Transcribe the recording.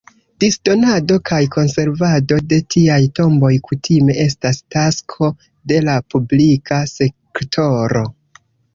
Disdonado kaj konservado de tiaj tomboj kutime estas tasko de la publika sektoro.